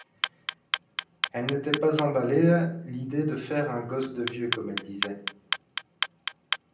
elle n’était pas emballée à l’idée de faire un gosse de vieux, comme elle disait.